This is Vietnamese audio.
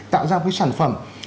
tạo ra một cái sản phẩm